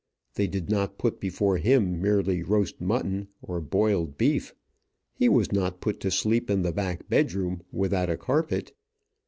They did not put before him merely roast mutton or boiled beef. He was not put to sleep in the back bedroom without a carpet.